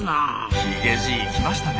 ヒゲじい来ましたね。